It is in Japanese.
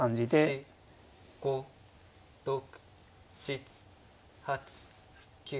５６７８９。